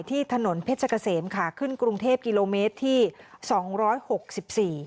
ที่ถนนเพชรเกษมขาขึ้นกรุงเทพกิโลเมตรที่สองร้อยหกสิบสี่